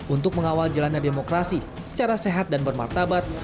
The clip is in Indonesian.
untuk mengawal jalannya demokrasi secara sehat dan bermartabat